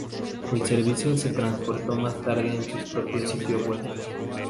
El servicio se trasladó más tarde a su propio sitio web.